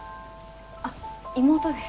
あっ妹です。